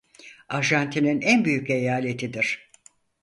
Arjantin'in en büyük eyaletidir.